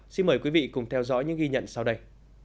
xin mời quý vị cùng theo dõi những ghi nhận sau đây